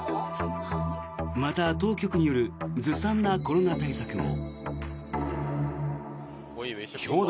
また、当局によるずさんなコロナ対策も。